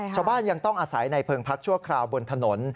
ชาวบ้านยังต้องอาศัยในเพิงพักชั่วคราวบนถนน